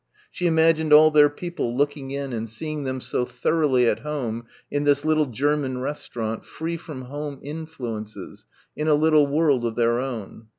She imagined all their people looking in and seeing them so thoroughly at home in this little German restaurant free from home influences, in a little world of their own.